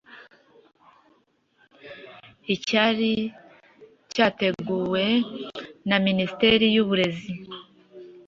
nicyari cyateguwe na minisiteri y'uburezi.